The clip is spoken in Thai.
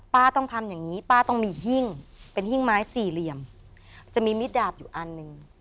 ต้องทำอย่างนี้ป้าต้องมีหิ้งเป็นหิ้งไม้สี่เหลี่ยมจะมีมิดดาบอยู่อันหนึ่ง